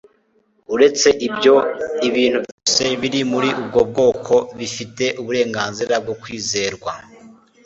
uretse ibyo, ibintu byose biri muri ubu bwoko bifite uburenganzira bwo kwizerwa